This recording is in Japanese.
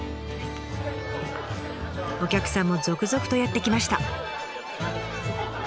お客さんも続々とやって来ました。